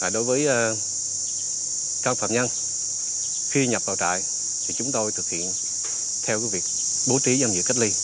đối với các phạm nhân khi nhập vào trại thì chúng tôi thực hiện theo việc bố trí nhân giữ cách ly